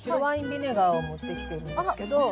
ビネガーを持ってきてるんですけど。